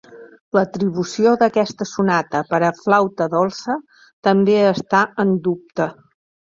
L'atribució d'aquesta sonata per a flauta dolça també està en dubte.